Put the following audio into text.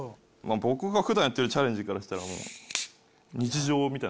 僕が普段やってるチャレンジからしたら。